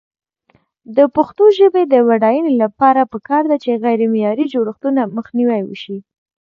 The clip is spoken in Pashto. د پښتو ژبې د بډاینې لپاره پکار ده چې غیرمعیاري جوړښتونه مخنیوی شي.